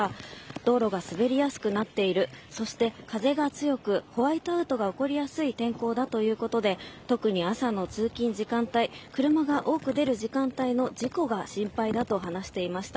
道路が滑りやすくなっているそして、風が強くホワイトアウトが起こりやすい天候だということで特に朝の通勤時間帯、車が多く出る時間帯の事故が心配だと話していました。